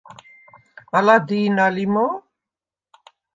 ალა დი̄ნა ლი მო̄?